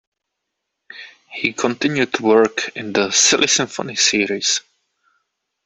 He continued to work in the "Silly Symphony" series.